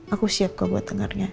aku siap gak buat dengarnya